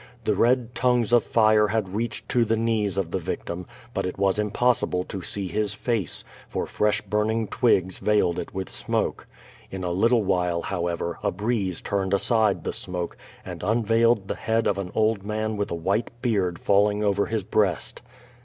The red tongues of fire had reached to :lie knees of the victim, but it was impossible to see his face, i'<»r fresh burning twigs veiled it with smoke. In a little V. hile, liowever, a breeze turned aside the smoke and unveiled (he head of an old man with a white beard falling over his breast.